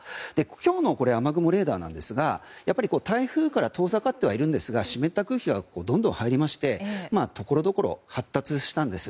今日の雨雲レーダーですが台風から遠ざかってはいるんですが湿った空気がどんどん入りましてところどころ発達したんです。